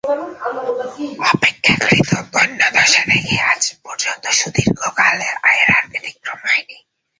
অপেক্ষাকৃত দৈন্যদশা থেকে আজ পর্যন্ত সুদীর্ঘকাল এর আর ব্যতিক্রম হয় নি।